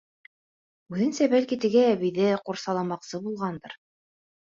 Үҙенсә, бәлки, теге әбейҙе ҡурсаламаҡсы булғандыр.